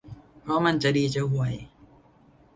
เพราะมันจะดีจะห่วย